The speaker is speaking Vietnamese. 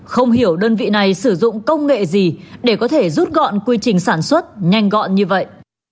không hiểu đơn vị này sử dụng công nghệ gì để có thể rút gọn quy trình sản xuất nhanh gọn như vậy